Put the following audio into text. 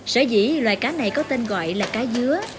sở dĩ loài cá này có tên gọi là cá dứa